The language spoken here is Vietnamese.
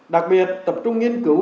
đặc biệt tập trung nghiên cứu